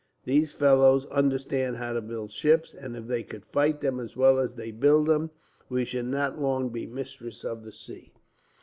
Those fellows understand how to build ships, and if they could fight them as well as they build them, we should not long be mistress of the sea."